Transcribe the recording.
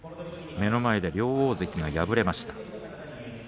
目の前で両大関が敗れました。